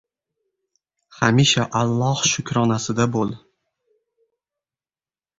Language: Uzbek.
— Hamisha Alloh shukronasida bo‘l.